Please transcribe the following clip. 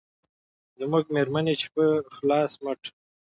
زموږ مېرمنې چې په خلاص مټ